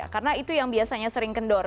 karena itu yang biasanya sering kendor